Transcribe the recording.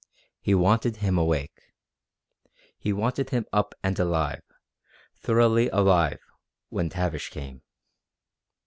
He wanted him awake. He wanted him up and alive, thoroughly alive, when Tavish came.